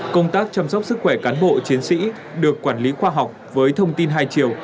công tác chăm sóc sức khỏe cán bộ chiến sĩ được quản lý khoa học với thông tin hai chiều